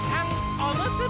おむすび！